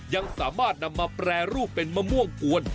ยังสามารถนำมาแปรรูปเป็นมะม่วงกวน